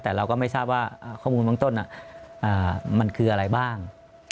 แต่เราก็ไม่ทราบว่าข้อมูลเบื้องต้นมันคืออะไรบ้าง